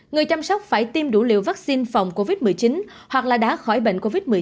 người chăm sóc phải tiêm đủ liều vaccine phòng covid một mươi chín hoặc là đã khỏi bệnh covid một mươi chín